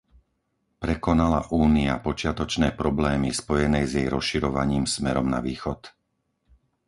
Prekonala Únia počiatočné problémy spojené s jej rozširovaním smerom na východ?